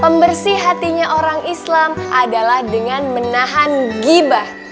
pembersih hatinya orang islam adalah dengan menahan gibah